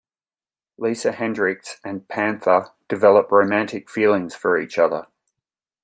Lisa Hendricks and Panther develop romantic feelings for each other.